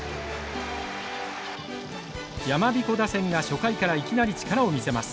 やまびこ打線が初回からいきなり力を見せます。